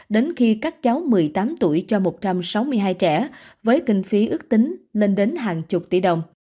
đến khi các cháu một mươi tám tuổi cho một trăm sáu mươi hai trẻ với kinh phí ước tính lên đến hàng chục tỷ đồng